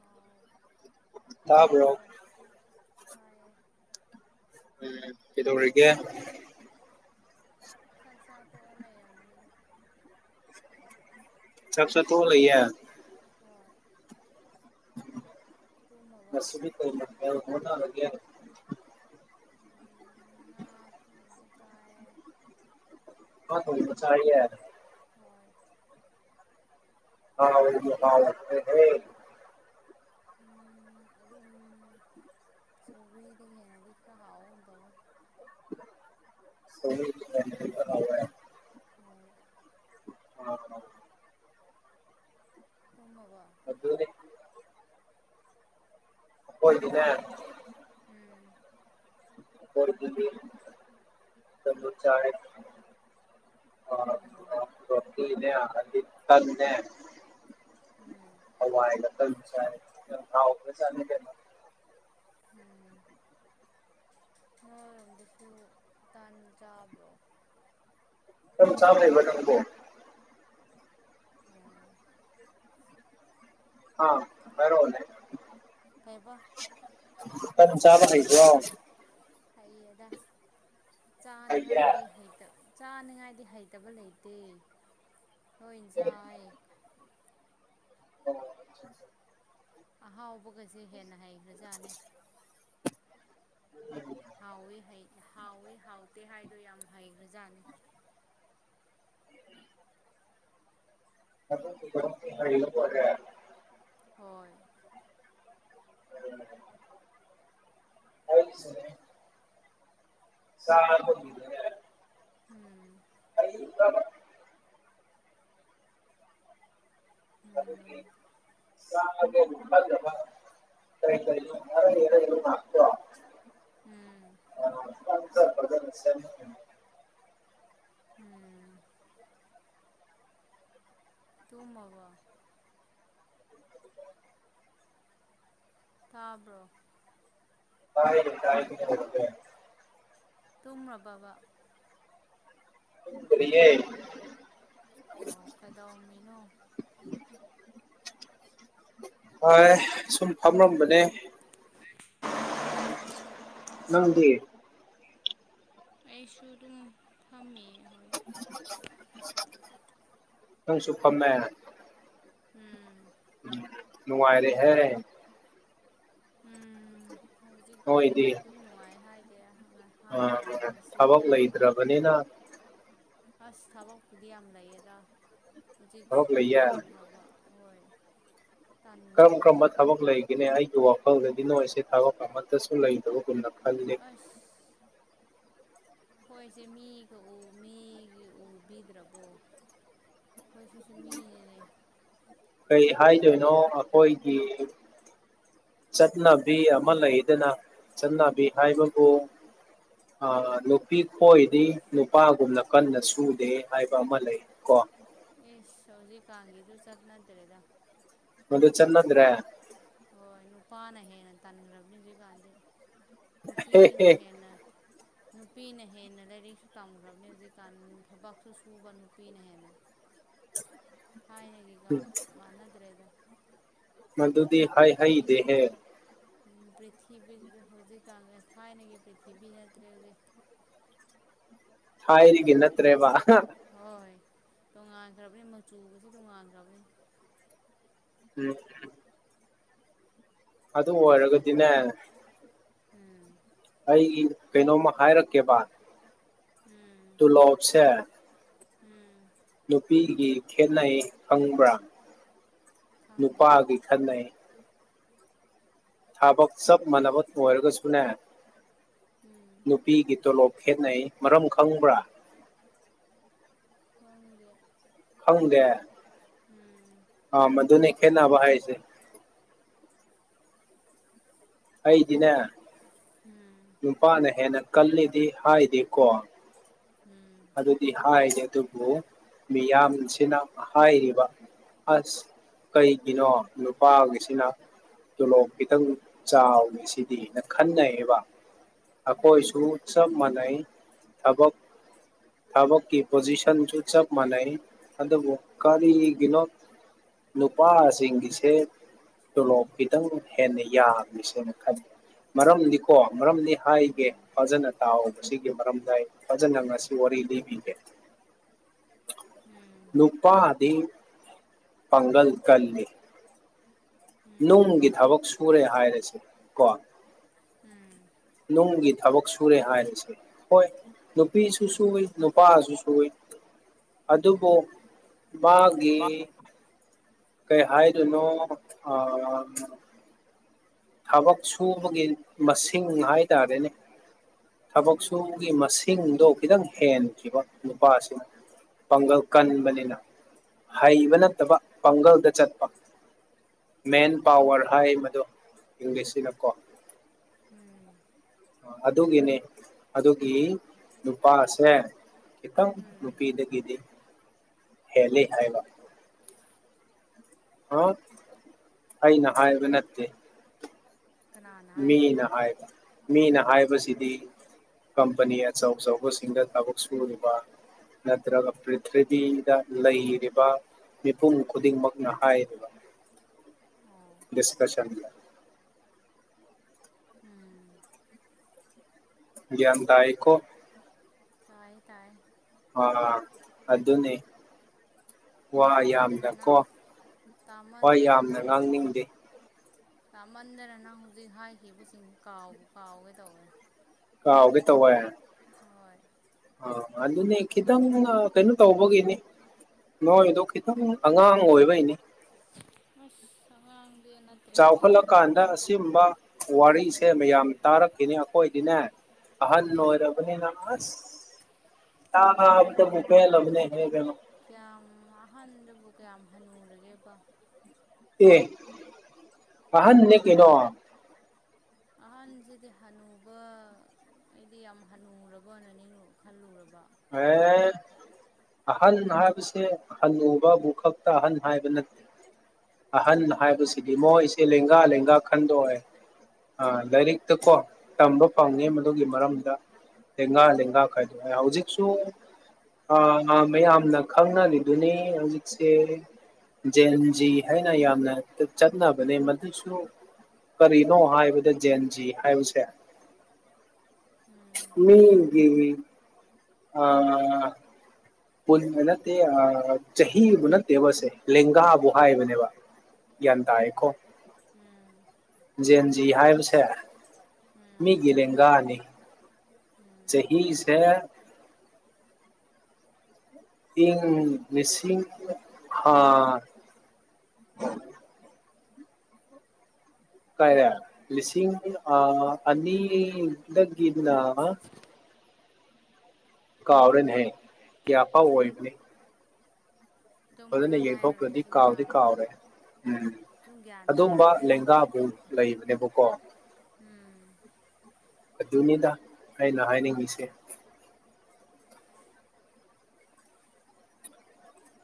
ꯑꯥꯎ ꯇꯥꯕ꯭ꯔꯣ ꯇꯨꯝꯃꯕꯨꯣ ꯇꯥꯏꯌꯦ ꯎꯝ ꯀꯩꯗꯧꯔꯤꯒꯦ ꯇꯨꯝꯃꯕꯣ ꯆꯥꯛꯆꯥꯥ ꯇꯣꯛꯑ ꯂꯩꯔꯝꯅꯤꯅ ꯆꯞꯁ ꯊꯣꯡꯅꯌꯦ ꯍꯣꯏ ꯇꯨꯝꯃꯕꯣ ꯃꯁꯤꯁꯤꯕꯤ ꯀ ꯃꯅꯒꯦ ꯎꯝ ꯉ ꯊ ꯇꯑ ꯍ ꯆ ꯌꯥꯔꯦ ꯍꯣꯏ ꯑꯥꯎ ꯑꯗꯨꯝ ꯁꯧꯒ꯭ꯔꯤꯗꯒꯤ ꯍꯦꯟꯅꯗꯤ ꯈꯔ ꯍꯥꯎꯒꯨꯝ ꯇꯧꯋꯦ ꯁ ꯍ ꯎ ꯊꯣꯃꯒ ꯃ ꯑꯣꯏꯣꯏꯗꯅꯦ ꯎꯝ ꯄꯔꯇꯨꯒꯜ ꯇꯗꯨ ꯆꯔ ꯑꯣ ꯑꯅꯦ ꯑ ꯇꯦ ꯎꯝ ꯑ ꯍꯥꯏꯁ ꯑꯣꯔꯦꯁꯥꯅ ꯎꯝ ꯅꯣꯏꯔꯣꯝꯗꯁꯨ ꯇꯥꯟ ꯆꯥꯕ꯭ꯔꯣ ꯀꯝ ꯆꯥꯝꯕꯪ ꯀꯣ ꯑꯝ ꯑꯥ ꯍꯥꯏꯔꯂꯦ ꯍꯥꯏꯩꯕ ꯀꯝ ꯆꯥꯕ ꯍꯥꯏꯩꯗ ꯍꯩ ꯑꯗ ꯍꯩꯌꯦ ꯆꯥꯅꯉꯥꯏꯗꯤ ꯍꯩꯇꯕꯅꯤ ꯆꯥꯅꯤꯉꯥꯏꯗꯤ ꯍꯩꯇꯕ ꯂꯩꯇꯦ ꯍꯣꯏꯅ ꯆꯥꯏ ꯑꯣ ꯑꯍꯥꯎꯕꯒꯁꯦ ꯍꯦꯟꯅ ꯍꯩꯈ꯭ꯔꯖꯥꯠꯅꯤ [inaudible] ꯍꯥꯎꯋꯤ ꯍꯥꯎꯋꯤ ꯍꯥꯎꯇꯦ ꯍꯥꯏꯗꯣ ꯌꯥꯝ ꯍꯩꯈ꯭ꯔꯖꯥꯠꯅꯤ ꯔꯦ ꯍꯣꯏ ꯍ ꯆ ꯎꯝ ꯑꯩ ꯎꯝ ꯔ ꯎꯝ ꯆ ꯎꯝ ꯇꯨꯝꯃꯕ ꯊꯥꯕ꯭ꯔꯣ ꯀꯥꯏꯥꯏꯦ ꯇꯨꯝꯕꯕ ꯀꯔꯤꯌꯦ ꯑꯣ ꯀꯩꯗꯧꯝꯃꯤꯅꯣ ꯍꯣꯏ ꯁꯨꯝ ꯐꯝꯔꯝꯕꯅꯦ ꯊ ꯅꯪꯗꯤ ꯑꯩꯁꯨ ꯑꯗꯨꯝ ꯐꯝꯃꯤꯌꯦ ꯍꯣꯏ ꯅꯪꯁꯨ ꯐꯝꯅꯅ ꯎꯝ ꯎꯝ ꯅꯨꯡꯉꯥꯏꯔꯦ ꯍꯥꯏꯦ ꯎꯝ ꯍꯧꯖꯤꯛꯇꯤ ꯑꯗꯨꯝ ꯅꯨꯡꯉꯥꯏ ꯍꯥꯏꯗꯤꯦꯪꯉ ꯑ ꯊꯕꯛ ꯂꯩꯇ꯭ꯔꯕꯅꯤꯅ ꯑꯁ ꯊꯕꯛꯄꯨꯗꯤ ꯌꯥꯝ ꯂꯩꯌꯦꯗ ꯍꯧꯖꯤꯛ ꯊꯕꯛ ꯁꯨꯕ ꯂꯩꯌꯦ ꯇꯟꯈ꯭ꯔꯕ ꯍꯣꯏ ꯀꯔꯝ ꯇꯟꯈ꯭ꯔꯕ ꯀꯔꯝꯕ ꯍꯧꯖꯤꯛꯇꯤ ꯊꯕꯛ ꯂꯩꯒꯦ ꯑꯩꯒꯤ ꯋꯥꯈꯜꯗꯗꯤ ꯅꯣꯏꯁꯦ ꯊꯕꯛ ꯑꯃꯠꯇꯁꯨ ꯂꯩꯇꯕꯒꯨꯝꯗꯕ ꯑꯁ ꯑꯩꯈꯣꯏꯁꯦ ꯃꯤꯒ ꯃꯤꯒꯤ ꯎꯕꯤꯗ꯭ꯔꯕꯣ ꯑꯩꯈꯣꯏꯁꯨꯁꯦ ꯃꯤꯅꯦꯅꯦ ꯀꯩ ꯍꯥꯏꯗꯣꯏꯅꯣ ꯑꯩꯈꯣꯏꯒꯤ ꯆꯠꯅꯕꯤ ꯑꯃ ꯂꯩꯗꯅ ꯆꯠꯅꯕꯤ ꯍꯥꯏꯕꯕꯨ ꯑ ꯅꯨꯄꯤ ꯈꯣꯏꯗꯤ ꯅꯨꯄꯥꯒꯨꯝꯅ ꯀꯟꯅ ꯁꯨꯗꯦ ꯍꯥꯏꯕ ꯑꯃ ꯂꯩ ꯀꯣ ꯑꯦꯁ ꯍꯧꯖꯤꯛ ꯀꯥꯡꯒꯤꯗꯨ ꯆꯠ ꯅꯠꯇ꯭ꯔꯦꯗ ꯃꯗꯨ ꯆꯟꯗ꯭ꯔꯦ ꯍꯣꯏ ꯅꯨꯄꯥꯅ ꯍꯦꯟꯅ ꯇꯥꯅꯤꯡꯈ꯭ꯔꯕꯅꯤ ꯍꯧꯖꯤꯛꯀꯥꯟꯗꯤ ꯍꯦ ꯅꯨꯄꯤꯅ ꯍꯦ ꯍꯦꯟꯅ ꯅꯨꯄꯤꯅ ꯍꯦꯟꯅ ꯂꯥꯏꯔꯤꯛꯁꯨ ꯇꯝꯈ꯭ꯔꯕꯅꯤ ꯍꯧꯖꯤꯛꯀꯥꯟ ꯊꯕꯛꯁꯨ ꯁꯨꯕ ꯅꯨꯄꯤꯅ ꯍꯦꯟꯅ ꯊꯥꯏꯅꯒꯤꯒ ꯃꯥꯟꯅꯗ꯭ꯔꯦꯗ ꯃꯗꯨꯗꯤ ꯍꯩ ꯍꯩꯗꯦ ꯍꯦ ꯄ꯭ꯔꯤꯊꯤꯕꯤꯗ ꯍꯧꯖꯤꯛꯀꯥꯟ ꯊꯥꯏꯅꯒꯤ ꯄ꯭ꯔꯤꯊꯤꯕꯤ ꯅꯠꯇ꯭ꯔꯦ ꯍꯧꯖꯤꯛ ꯍꯔꯤꯒ ꯅꯠꯇ꯭ꯔꯦꯕ ꯍꯣꯏ ꯇꯣꯉꯥꯟꯈ꯭ꯔꯕꯅꯤ ꯃꯆꯨꯕꯁꯤ ꯇꯣꯡꯉꯥꯟꯈ꯭ꯔꯕꯅꯤ ꯎꯝ ꯑꯗꯨ ꯑꯣꯏꯔꯒꯗꯤꯅꯦ ꯎꯝ ꯑꯩꯒꯤ ꯀꯩꯅꯣꯝꯃ ꯍꯥꯏꯔꯛꯀꯦꯕ ꯎꯝ ꯇꯨꯂꯣꯞꯁꯦ ꯎꯝ ꯅꯨꯄꯤꯒꯤ ꯈꯦꯠꯅꯩ ꯈꯪꯕ꯭ꯔꯥ ꯈꯪꯗꯦ ꯅꯨꯄꯥꯒꯤ ꯈꯦꯠꯅꯩ ꯊꯕꯛ ꯁꯕ ꯃꯅꯥꯕ ꯄꯔꯒꯁꯨꯨꯅ ꯎꯝ ꯅꯨꯄꯤꯒꯤ ꯇꯣꯂꯣꯞ ꯈꯦꯅꯩ ꯃꯔꯝ ꯈꯪꯕ꯭ꯔꯥ ꯈꯣꯡꯗꯦ ꯈꯪꯗꯦ ꯑ ꯃꯗꯨꯅꯦ ꯈꯦꯠꯅꯕ ꯍꯥꯏꯁꯦ ꯑꯩꯗꯤꯅꯦ ꯎꯝ ꯅꯨꯄꯥꯅ ꯍꯦꯟꯅ ꯀꯜꯂꯤꯗꯤ ꯍꯥꯏꯗꯦꯀꯣ ꯎꯝ ꯑꯗꯨꯗꯤ ꯍꯥꯏꯔꯦ ꯑꯗꯨꯕꯨ ꯃꯤꯌꯥꯝꯁꯤꯅ ꯍꯥꯏꯔꯤꯕ ꯑꯁ ꯀꯩꯒꯤꯅꯣ ꯅꯨꯄꯥꯒꯤꯁꯤꯅ ꯇꯣꯂꯣꯞ ꯈꯤꯇꯪ ꯆꯥꯎꯔꯤ ꯁꯤꯗꯤ ꯈꯟꯅꯩꯌꯦꯕ ꯑꯩꯈꯣꯏꯁꯨ ꯎ ꯆꯞ ꯃꯥꯟꯅꯩ ꯊꯕꯛ ꯊꯕꯛꯀꯤ ꯄꯣꯖꯤꯁꯟꯁꯨ ꯆꯞ ꯃꯥꯟꯅꯩ ꯑꯗꯨꯕꯨ ꯀꯔꯤꯒꯤꯅꯣ ꯅꯨꯄꯥꯁꯤꯡꯒꯤꯁꯦ ꯇꯣꯂꯣꯞ ꯈꯤꯇꯪ ꯍꯦꯟꯅ ꯌꯥꯝꯃꯤꯁꯦꯅ ꯈꯜꯂꯤ ꯃꯔꯝꯗꯤꯀꯣ ꯃꯔꯝꯗꯤ ꯎꯝ ꯎꯝ ꯎꯝ ꯎꯝ ꯎꯝ ꯎꯝ ꯍꯥꯏꯒꯦ ꯐꯖꯅ ꯇꯥꯎꯕꯁꯤꯒꯤ ꯃꯔꯝꯗ ꯑꯩ ꯐꯖꯅ ꯉꯁꯤ ꯋꯥꯔꯤ ꯂꯤꯕꯤꯒꯦ ꯅꯨꯄꯥꯗꯤ ꯄꯒꯜ ꯀꯜꯂꯤ ꯅꯨꯡꯒꯤ ꯊꯕꯛ ꯁꯨꯔꯦ ꯍꯥꯏꯔꯁꯤ ꯀꯣ ꯅꯨꯡꯒꯤ ꯊꯕꯛ ꯁꯨꯔꯦ ꯍꯥꯏꯔꯤꯁꯦ ꯍꯣꯏ ꯅꯨꯄꯤꯁꯨ ꯁꯨꯏ ꯅꯨꯄꯥꯁꯨ ꯁꯨꯏ ꯑꯗꯨꯕꯨ ꯃꯥꯒꯤ ꯀꯩ ꯍꯥꯏꯗꯨꯣꯏꯅꯣ ꯑ ꯊꯕꯛ ꯁꯨꯕꯒꯤ ꯃꯁꯤꯡ ꯍꯥꯏꯇꯥꯔꯦꯅꯦ ꯊꯕꯛ ꯁꯨꯕꯒꯤ ꯃꯁꯤꯡꯗꯣ ꯈꯤꯇꯪ ꯍꯦꯟꯈꯤꯕ ꯅꯨꯄꯥꯁꯤꯡ ꯄꯥꯡꯒꯜ ꯎꯝ ꯎꯝ ꯎꯝ ꯀꯟꯕꯅꯤꯅ ꯍꯩꯕ ꯅꯠꯇꯕ ꯄꯥꯡꯒꯜꯗ ꯆꯠꯄ ꯃꯦꯟ ꯄꯋꯔ ꯍꯥꯏ ꯃꯗꯣ ꯏꯪꯂꯤꯁꯁꯤꯅꯀꯣ ꯎꯝ ꯑꯗꯨꯒꯤꯅꯦ ꯑꯗꯨꯒꯤ ꯅꯨꯄꯥꯁꯦ ꯈꯤꯇꯪ ꯎꯝ ꯅꯨꯄꯤꯗꯒꯤꯗꯤ ꯍꯦꯜꯂꯤ ꯍꯥꯏꯕ ꯑ ꯑꯩꯅ ꯍꯥꯏꯕ ꯅꯠꯇꯦ ꯀꯅꯥꯅ ꯍꯥꯏꯕ ꯃꯤꯅ ꯍꯥꯏꯕ ꯃꯤꯅ ꯍꯥꯏꯕꯁꯤꯗꯤ ꯀꯝꯄꯅꯤ ꯑꯆꯧ ꯑꯆꯧꯕꯁꯤꯡꯗ ꯊꯕꯛ ꯁꯨꯔꯤꯕ ꯅꯠꯇ꯭ꯔꯒ ꯄ꯭ꯔꯤꯊꯤꯕꯤꯗ ꯂꯩꯔꯤꯕ ꯃꯤꯄꯨꯝ ꯈꯨꯗꯤꯡꯃꯛꯅ ꯍꯥꯏꯔꯤꯕ ꯑꯣ ꯗꯤꯁꯀꯁꯜꯗ ꯎꯝ ꯒꯤꯌꯥꯜ ꯇꯥꯏꯀꯣ ꯇꯥꯏ ꯇꯥꯏ ꯑ ꯑꯗꯨꯅꯤ ꯋꯥ ꯌꯥꯝꯅ ꯇꯥꯃꯗꯅ ꯅꯪ ꯀꯣ ꯋꯥ ꯇꯥꯃꯗꯅ ꯌꯥꯝꯅ ꯅꯪꯅ ꯑꯃꯨꯛ ꯉꯥꯡꯅꯤꯡꯗꯦ ꯇꯥꯃꯟꯗꯅꯅꯪ ꯍꯧꯖꯤꯛ ꯍꯥꯏꯈꯤꯕꯁꯤꯡꯁꯤ ꯀꯥꯎꯕ ꯀꯥꯎꯒꯦ ꯇꯧꯋꯦ ꯀꯥꯎꯒꯦ ꯇꯧꯋꯏ ꯍꯣꯏ ꯑ ꯑꯗꯨꯅꯦ ꯈꯤꯇꯪ ꯀꯩꯅꯣ ꯇꯧꯕꯒꯤꯅꯦ ꯅꯣꯏꯗꯣ ꯈꯤꯇꯪ ꯑꯉꯥꯡ ꯑꯣꯏꯕꯩꯅꯤ ꯑꯁ ꯑꯉꯪꯖꯦ ꯆꯥꯎꯈꯠꯂꯀꯥꯟꯗ ꯑꯁꯤꯒꯨꯝꯕ ꯋꯥꯔꯤꯁꯦ ꯃꯌꯥꯝ ꯇꯥꯔꯛꯈꯤꯅꯤ ꯑꯩꯈꯣꯏꯗꯤꯅꯦ ꯑꯍꯜ ꯎꯝ ꯑꯣꯏꯔꯕꯅꯤꯅ ꯑꯁ ꯇꯥꯕꯗꯕꯨ ꯄꯦꯜꯂꯕꯅꯦ [unintelligible] ꯀꯌꯥꯝ ꯑꯍꯥꯟꯕꯗꯕꯨ ꯀꯌꯥꯝ ꯍꯟꯅꯨꯔꯒꯦꯕ ꯑꯦ ꯑꯍꯟꯅꯦ ꯀꯩꯅꯣ ꯑꯍꯟꯁꯤꯗꯤ ꯍꯅꯨꯕ ꯑꯩꯗꯤ ꯌꯥꯝ ꯍꯟꯅꯨꯔꯕꯅꯅꯦ ꯈꯜꯂꯨꯔꯕ ꯑꯦ ꯑꯍꯟ ꯍꯥꯏꯕꯁꯦ ꯍꯅꯨꯕ ꯕꯨꯛ ꯈꯛꯇ ꯑꯍꯟ ꯍꯥꯏꯕ ꯅꯠꯇꯦ ꯑꯍꯟ ꯑꯣ ꯍꯥꯏꯕꯁꯤꯗꯤ ꯃꯣꯏ ꯁꯦ ꯂꯦꯡꯒꯥ ꯂꯦꯡꯒꯥ ꯈꯥꯢꯗꯣꯛꯑꯦ ꯑ ꯂꯥꯏꯔꯤꯛꯇ ꯀꯣ ꯇꯝꯕ ꯐꯪꯉꯦ ꯃꯗꯨꯒꯤ ꯃꯔꯝꯗ ꯂꯦꯡꯒꯥ ꯂꯦꯡꯒꯥ ꯈꯥꯏꯗꯣꯛꯑꯦ ꯍꯧꯖꯤꯛ ꯁꯨ ꯃꯌꯥꯝꯅ ꯈꯪꯅꯔꯤꯗꯨꯅꯤ ꯍꯧꯖꯤꯛꯁꯦ ꯖꯦꯟꯖꯤ ꯍꯥꯏꯅ ꯌꯥꯝꯅ ꯆꯠꯅꯕꯅꯦ ꯃꯗꯨꯁꯨ ꯀꯔꯤꯅꯣ ꯍꯥꯏꯕꯗ ꯖꯦꯟꯖꯤ ꯍꯥꯏꯕꯁꯦ [unintelligible] ꯎꯝ ꯃꯤꯒꯤ ꯑ ꯄꯨꯟꯕ ꯅꯠꯇꯦ ꯆꯍꯤꯕꯨ ꯅꯠꯇꯦꯕꯁꯦ ꯂꯦꯡꯒꯥꯕꯨ ꯎꯝ ꯍꯥꯏꯕꯅꯦꯕ ꯒ꯭ꯌꯥꯟ ꯎꯝ ꯇꯥꯢꯒꯣ ꯎꯝ ꯖꯦꯟꯖꯤ ꯍꯥꯏꯕꯁꯦ ꯎꯝ ꯃꯤꯒꯤ ꯂꯦꯡꯒꯥꯅꯤ ꯎꯝ ꯆꯍꯤꯁꯦ ꯏꯤꯡ ꯂꯤꯁꯤꯡ ꯍꯥꯥ ꯀꯥꯏꯔꯦ ꯂꯤꯁꯤꯡ ꯑꯥ ꯑꯅꯤꯗ ꯒꯤꯅ ꯀꯥꯎꯔꯦꯅꯦ ꯍꯦ ꯀꯌꯥꯐꯥꯎ ꯑꯣꯢꯕꯅꯦ ꯑꯗꯨꯝ ꯑꯗꯨꯅ ꯈꯔ ꯍꯥꯏꯔꯨꯔꯦ ꯌꯦꯡꯊꯣꯛꯇꯔꯗꯤ ꯑꯗꯨꯝ ꯀꯥꯎꯗꯤ ꯌꯥꯔꯅꯤ ꯀꯥꯎꯔꯦ ꯎꯝ ꯑꯗꯨꯝ ꯒ꯭ꯌꯥꯟ ꯑꯗꯨꯝꯕ ꯇꯥꯔꯅꯤ ꯂꯦꯡꯒꯥꯕꯨ ꯂꯩꯕꯅꯦꯕꯀꯣ ꯎꯝ ꯑꯗꯨꯅꯤꯗ ꯑꯩꯅ ꯍꯥꯏꯅꯤꯡꯉꯤꯁꯦ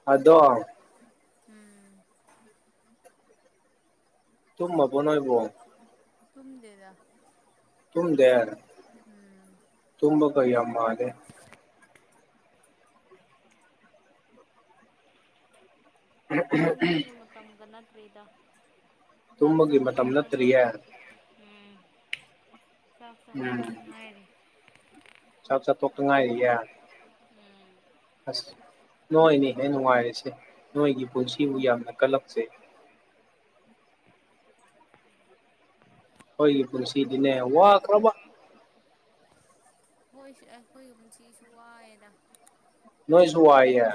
ꯑꯗꯣ ꯎꯝ ꯇꯨꯝꯃꯕ ꯅꯣꯏꯕꯣ ꯇꯨꯝꯗꯦꯗ ꯇꯨꯝꯗꯦ ꯎꯝ ꯇꯨꯝꯕ ꯀꯩ ꯌꯥꯝ ꯃꯥꯜꯂꯦ ꯇꯨꯝꯕꯒꯤ ꯃꯇꯝꯒ ꯅꯠꯇ꯭ꯔꯤꯗ ꯆꯥꯛ ꯆꯥ ꯇꯨꯝꯕꯒꯤ ꯃꯇꯝ ꯇꯣꯛꯇ ꯉꯥꯏꯔꯤ ꯅꯠꯇ꯭ꯔꯤꯌꯦ ꯎꯝ ꯆꯥꯛ ꯆꯥ ꯎꯝ ꯇꯣꯛꯇ ꯉꯥꯏꯔꯤ ꯆꯥꯛ ꯆꯥ ꯇꯣꯛꯇ ꯌꯥꯢꯔꯤꯌꯦ ꯎꯝ ꯑꯁ ꯅꯣꯏꯅꯦ ꯍꯦ ꯅꯨꯡꯉꯥꯏꯔꯤꯁꯦ ꯅꯣꯏꯒꯤ ꯄꯨꯟꯁꯤꯕꯨ ꯌꯥꯝꯅ ꯀꯜꯂꯛꯆꯩ ꯈꯣꯏꯒꯤ ꯄꯨꯟꯁꯤꯗꯤꯅꯦ ꯋꯥꯈ꯭ꯔꯕ ꯍꯣꯏꯁꯦ ꯑꯩꯈꯣꯏꯒꯤ ꯄꯨꯟꯁꯤꯁꯨ ꯋꯥꯏꯑꯦꯗ ꯅꯣꯏꯁꯨ‌ ꯋꯥꯏꯌꯦ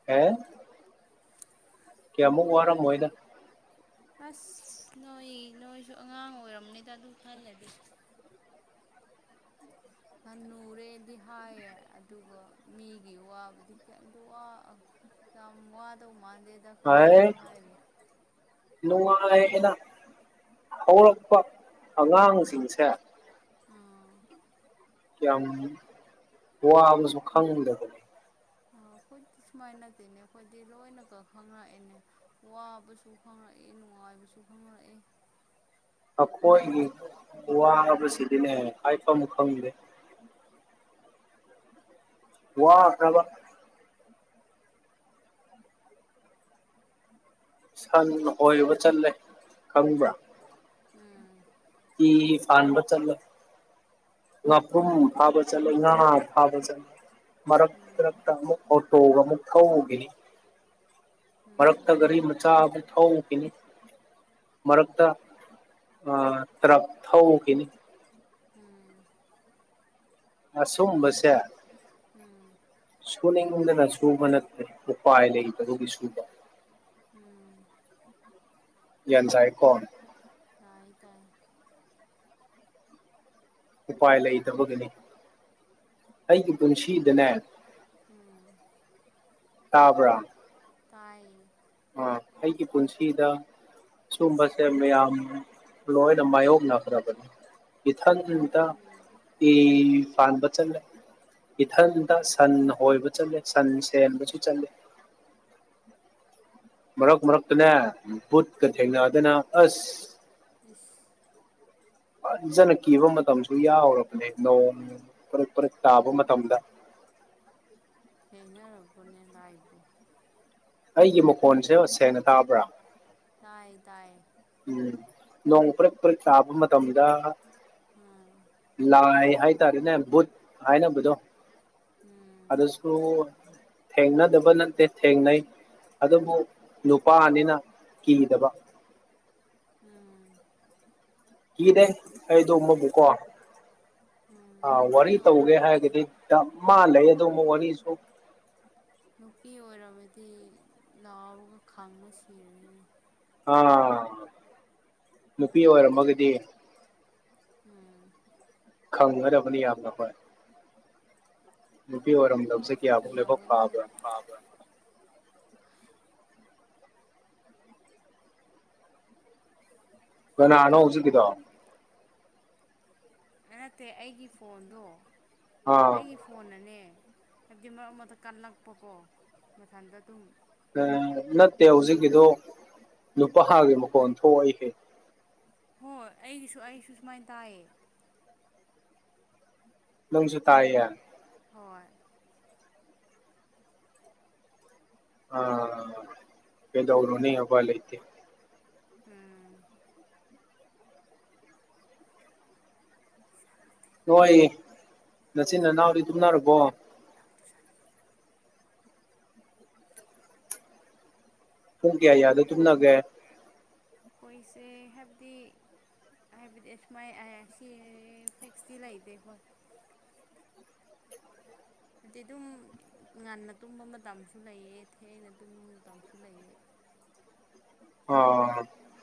[inaudible] ꯀꯌꯥꯃꯨꯛ ꯋꯥꯔꯝꯃꯣꯢꯗ ꯑꯁ ꯅꯣꯏ ꯅꯣꯏꯁꯨ ꯑꯉꯥꯡ ꯑꯣꯏꯔꯝꯅꯤꯗ ꯑꯗꯨ ꯈꯜꯂꯗꯤ ꯈꯟꯅꯨꯔꯦꯗꯤ ꯍꯥꯏꯌꯦ ꯑꯗꯨꯒ ꯃꯤꯒꯤ ꯋꯥꯕꯗꯤ ꯀꯔꯤꯝꯇ ꯃꯥꯟꯗꯦꯗ ꯋꯥꯗꯧ ꯃꯥꯟꯗꯦꯗ ꯍꯥꯏꯁꯨ ꯍꯥꯏꯔꯤ [inaudible] ꯅꯨꯡꯉꯥꯏꯑꯦꯅ ꯍꯧꯔꯛꯄ ꯑꯉꯥꯡꯁꯤꯡꯁꯦ ꯑꯝ ꯌꯥꯝ ꯋꯥꯕꯁꯨ ꯈꯪꯗꯕ ꯑꯩꯈꯣꯏꯗꯤ ꯁꯨꯃꯥꯏꯅꯗꯤꯅꯦ ꯑꯩꯈꯣꯏꯗꯤ ꯂꯣꯏꯅꯒ ꯈꯪꯉꯛꯢꯅꯦ ꯋꯥꯕꯁꯨ ꯈꯪꯂꯛꯌꯦ ꯅꯨꯡꯉꯥꯏꯕꯁꯨ ꯈꯪꯂꯛꯌꯦ ꯑꯩꯈꯣꯏꯒꯤ ꯋꯥꯕꯁꯤꯗꯤꯅꯦ ꯍꯥꯏꯐꯝ ꯈꯪꯗꯦ ꯋꯥꯈꯔꯕ ꯁꯟ ꯍꯣꯢꯕ ꯆꯠꯂꯦ ꯈꯪꯕ꯭ꯔꯥ ꯎꯝ ꯏ ꯐꯥꯟꯕ ꯆꯜꯂꯦ ꯉꯥꯄꯨꫪꯝ ꯎꯝ ꯐꯥꯕ ꯆꯠꯂꫭꯏ ꯉꯥ ꯐꯥꯕ ꯆꯠꯂ ꯃꯔꯛ ꯎꯝ ꯃꯔꯛꯇ ꯑꯃꯨꯛ ꯑꯣꯇꯣꯒ ꯑꯃꯨꯛ ꯊꯧꯒꯤꯅꯤ ꯃꯔꯛꯇ ꯎꯝ ꯒꯥꯔꯤ ꯃꯆꯥ ꯑꯃꯨꯛ ꯊꯧꯈꯤꯅꯤ ꯃꯔꯛꯇ ꯇꯥꯔꯛ ꯊꯧꯈꯤꯅꯤ ꯎꯝ ꯑꯁꯨꯝꯕꯁꯦ ꯎꯝ ꯁꯨꯅꯤꯡꯗꯅ ꯁꯨꯕ ꯅꯠꯇꯦ ꯎꯄꯥꯏ ꯂꯩꯇꯕꯒꯤ ꯁꯨꯕ ꯎꯝ ꯌꯥꯟ ꯆꯥꯏ ꯀꯣ ꯇꯥꯏ ꯇꯥꯏ ꯎꯄꯥꯏ ꯂꯩꯇꯕꯒꯤꯅꯤ ꯑꯩꯒꯤ ꯄꯨꯟꯁꯤꯗꯅꯦ ꯎꯝ ꯇꯥꯕꯔꯥ ꯇꯥꯏꯌꯦ ꯑ ꯑꯩꯒꯤ ꯄꯨꯟꯁꯤꯗ ꯁꯨꯝꯕꯁꯦ ꯃꯌꯥꯝ ꯂꫭꯏꯅ ꯃꯥꯏꯌꫭꯛꯅꯈꯔꯕꯅꯦ ꯏꯊꯟꯇꯥ ꯑꯩꯈꯣꯏꯁꯨꯅꯤ ꯏ ꯐꯥꯟꯕ ꯆꯠꯂꯦ ꯏꯊꯟꯇꯥ ꯁꯟ ꯍꯣꯏꯕ ꯆꯠꯂꯦ ꯁꯟ ꯁꯦꯟꯕꯁꯨ ꯆꯠꯂꯦ ꯃꯔꯛ ꯃꯔꯛꯇꯅꯦ ꯎꯝ ꯕꯨꯠꯀ ꯎꯝ ꯊꯦꯡꯅꯗꯅ ꯑꯁ ꯏꯁ ꯐꯖꯅ ꯀꯤꯕ ꯃꯇꯝꯁꯨ ꯌꯥꯎꯔꯕꯅꯦ ꯅꯣꯡ ꯄꯔꯛ ꯄꯔꯛ ꯇꯥꯕ ꯃꯇꯝꯗ ꯊꯦꯡꯅꯔꯕꯅꯦ ꯂꯥꯏꯕꯨ ꯑꯩꯒꯤ ꯃꯈꯣꯟꯁꯦ ꯁꯦꯡꯅ ꯇꯥꯕ꯭ꯔꯥ ꯇꯥꯏ ꯇꯥꯏ ꯎꯝ ꯅꯣꯡ ꯄꯔꯛ ꯄꯔꯛ ꯇꯥꯕ ꯃꯇꯝꯗ ꯎꯝ ꯂꯥꯏ ꯍꯥꯏꯇꯔꯦꯅꯦ ꯚꯨꯠ ꯍꯥꯏꯅꯕꯗꫭ ꯎꯝ ꯑꯗꯨꯁꯨ ꯊꯦꯡꯅꯗꯕ ꯅꯠꯇꯦ ꯊꯦꯡꯅꯩ ꯑꯗꯨꯕꯨ ꯅꯨꯄꯥꯅꯤꯅ ꯀꯤꯗꯕ ꯎꯝ ꯀꯤꯗꯦ ꯑꯩꯇꫭꯃꯕꯨꯀꫭ ꯎꯝ ꯑ ꯅꯨꯄꯤ ꯋꯥꯔꯤ ꯇꯧꯒꯦ ꯑꯣꯏꯔꯝꯃꯗꯤ ꯍꯥꯏꯔꯒꯗꯤ ꯗꯃꯥ ꯂꯩ ꯅꯨ ꯑꯗꯨ ꯑꯃꯨꯛ ꯋꯥꯔꯤꯁꯨ ꯅꯨꯄꯤ ꯑꯣꯏꯔꯝꯃꯗꯤ ꯂꯥꯎꯔꯒ ꯈꯪꯔ ꯁꯤꯔꯅꯤꯅꯦ ꯑꯥ ꯅꯨꯄꯤ ꯑꯣꯏꯔꯝꯃꯒꯗꯤ ꯎꯝ ꯈꯪꯒꯗꯕꯅꯤ ꯌꯥꯝꯅ ꯍꯣꯏ ꯅꯨꯄꯤ ꯑꯣꯏꯔꯝꯗꯕꯁꯦ ꯀꯌꯥꯃꯨꯛ ꯂꯥꯏꯕꯛ ꯐꯥꯕ꯭ꯔꯥ ꯐꯕꯔꯥ ꯀꯅꯥꯥꯅꯣ ꯍꯧꯖꯤꯛꯀꯤꯗꯣ ꯅꯠꯇꯦ ꯑꯩꯒꯤ ꯐꯣꯟꯗꯣ ꯑꯥ ꯑꯩꯒꯤ ꯐꫭꯟꯅꯅꯦ ꯍꯥꯏꯕꯗꯤ ꯃꯔꯛ ꯃꯔꯛ ꯀꯟꯅꯛꯄꯀꯣ ꯃꯊꯟꯗꯥ ꯑꯗꯨꯝ ꯅꯠꯇꯦ ꯍꯧꯖꯤꯛꯀꯤꯗꯣ ꯅꯨꯄꯥꯒꯤ ꯃꯈꯣꯟ ꯊꯣꯛꯏꯍꯦ ꯍꯣꯏ ꯑꯩꯒꯤꯁꯨ ꯑꯩꯁꯨ ꯁꯨꯃꯥꯏꯅ ꯇꯥꯏꯌꯦ ꯅꯪꯁꯨ ꯇꯥꯏꯌꯦ ꯍꯣꯏ ꯑ ꯀꯗꯧꯔꯨꯅꯤ ꯎꯄꯥꯏ ꯂꯩꯇꯦ ꯎꯝ [unintelligible] ꯅꯣꯏ ꯅꯆꯤꯟ ꯅꯅꯥꯎꯗꯤ ꯇꯨꯝꯅꯔꯕꯣ [unintelligible] ꯄꯨꯡ ꯀꯌꯥ ꯌꯥꯗ ꯇꯨꯝꯅꯒꯦ ꯈꫭꯏꯁꯦ ꯍꯥꯏꯕꯗꯤ ꯍꯥꯏꯕꯗꯤ ꯑꯁꯨꯃꯥꯏ ꯍꯥꯢꯌꯦ ꯁꯤ ꯐꯤꯛꯁꯇꯤ ꯂꯩꯇꯦ ꯑꯈꯣꯏ ꯍꯥꯏꯗꯤ ꯑꯗꯨꯝ ꯉꯟꯅ ꯇꯨꯝꯕ ꯃꯇꯝꯁꯨ ꯂꯩꯌꯦ ꯊꯦꯡꯅ ꯇꯨꯝꯕ ꯃꯇꯝꯁꯨ ꯂꯩꯌꯦ ꯑꯥ ꯑꯥ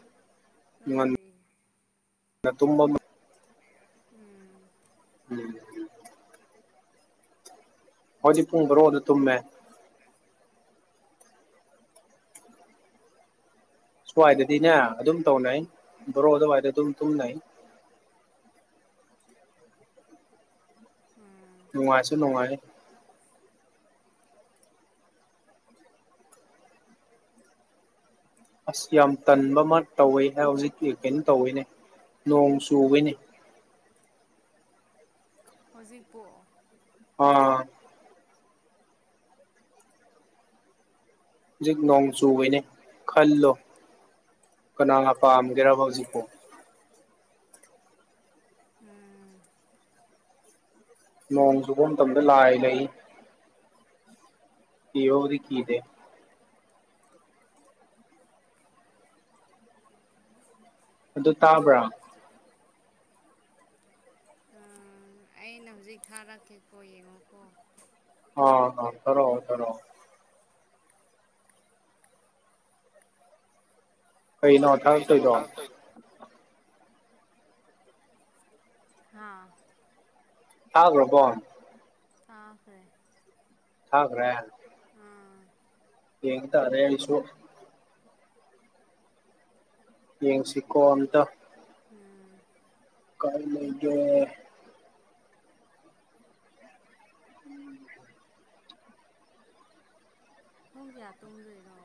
ꯅꯣꯏꯗꯤ ꯅ ꯇꯨꯝꯕ ꯎꯝ [unintelligible] ꯑꯈꯣꯢꯗꯤ ꯄꯨꯡ ꯕꯥꯔꯣꯗ ꯇꯨꯝꯃꯦ [unintelligible] ꯁ꯭ꯋꯥꯏꯗꯗꯤꯅꯦ ꯑꯗꯨꯝ ꯇꯧꯅꯩ ꯕꯥꯔꯣ ꯑꯗꯨꯋꯥꯏꯗ ꯑꯗꯨꯝ ꯇꯨꯝꯅꯩ ꯎꯝ ꯅꯨꯡꯉꯥꯢꯁꯨ ꯅꯨꯡꯉꯥꯏ ꯑꯁ ꯌꯥꯝ ꯇꯟꯕ ꯑꯃ ꯇꯧꯋꯦ ꯍꯧꯖꯤꯛꯀꯤ ꯀꯩꯅꯣ ꯇꯧꯋꯤꯅꯦ ꯅꯣꯡ ꯆꯨꯕꯩꯅꯤ ꯍꯧꯖꯤꯛꯄꯨ ꯍꯣꯢ ꯍꯧꯖꯤꯛ ꯅꯣꯡ ꯆꯨꯢꯑꯦꯅꯦ ꯈꯜꯂꯣ ꯀꯅꯥꯅ ꯄꯥꯝꯒꯦꯕ ꯍꯧꯖꯤꯛꯄꯣ ꯎꯝ ꯅꯣꯡ ꯆꯨꯕ ꯃꯇꯝꯗ ꯂꯥꯏ ꯂꯩ ꯀꯤꯕꯕꯨꯗꯤ ꯀꯤꯗꯦ [unintelligible] ꯑꯗꯨ ꯇꯥꯕ꯭ꯔꯥ ꯎꯝ ꯑꯩꯅ ꯍꯧꯖꯤꯛ ꯊꯥꯔꯛꯀꯦꯀꯣ ꯌꯦꯡꯉꯣꯀꯣ ꯑꯥ ꯑꯥ ꯊꯥꯔꯣ ꯊꯥꯔꯣ ꯀꯩꯅꯣ ꯊꯥꯔꯛꯇꯣꯏꯗꯣ ꯍꯥꯥ ꯊꯥꯒ꯭ꯔꯥꯕꯣ ꯊꯥꯈ꯭ꯔꯦ ꯊꯥꯈ꯭ꯔꯦ ꯑꯥ ꯌꯦꯡ ꯇꯥꯔꯦ ꯑꯩꯁꯨ ꯌꯦꯡꯁꯤꯀꯣ ꯑꯝꯇ ꯎꯝ ꯀꯥꯢ ꯂꯩꯒꯦ ꯄꯨꯡ ꯀꯌꯥ ꯇꯨꯝꯗꯣꯏꯔꯣ